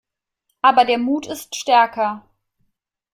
Aber der Mut ist stärker.